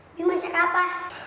ini masak apa